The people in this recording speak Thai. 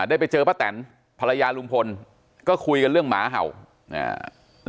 ได้ไปเจอป้าแตนภรรยาลุงพลก็คุยกันเรื่องหมาเห่าอ่า